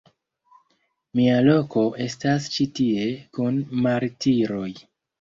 Mia loko estas ĉi tie, kun martiroj!